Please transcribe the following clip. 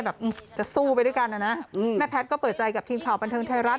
แบบจะสู้ไปด้วยกันนะนะแม่แพทย์ก็เปิดใจกับทีมข่าวบันเทิงไทยรัฐ